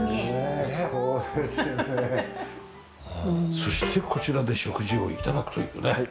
そしてこちらで食事を頂くというね。